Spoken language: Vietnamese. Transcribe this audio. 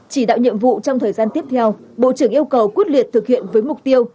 chỉ đạo nhiệm vụ trong thời gian tiếp theo bộ trưởng yêu cầu quyết liệt thực hiện với mục tiêu